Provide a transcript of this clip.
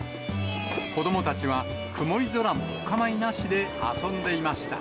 子どもたちは曇り空もお構いなしで遊んでいました。